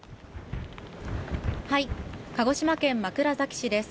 鹿児島県枕崎市です。